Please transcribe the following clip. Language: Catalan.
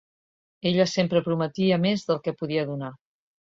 Ella sempre prometia més del que podia donar.